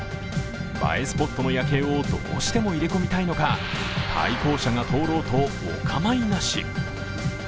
映えスポットの夜景をどうしても入れ込みたいのか対向車が通ろうとお構いなし。